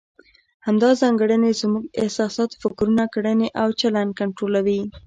همدا ځانګړنې زموږ احساسات، فکرونه، کړنې او چلند کنټرولوي.